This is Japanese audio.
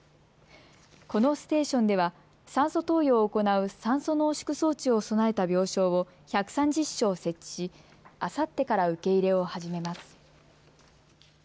このステーションでは酸素投与を行う酸素濃縮装置を備えた病床を１３０床設置しあさってから受け入れを始めます。